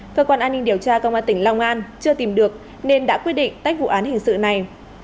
cơ quan an ninh điều tra công an tỉnh long an chưa tìm được nên đã quyết định tách vụ án hình sự này